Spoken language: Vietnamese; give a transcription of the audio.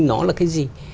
nó là cái gì